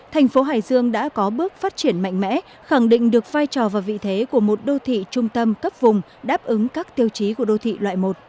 thành phố hải dương đã có bước phát triển mạnh mẽ khẳng định được vai trò và vị thế của một đô thị trung tâm cấp vùng đáp ứng các tiêu chí của đô thị loại một